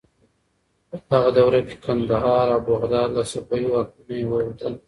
په دغه دوره کې کندهار او بغداد له صفوي واکمنۍ ووتل.